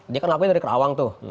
dia kan lakunya dari kerawang tuh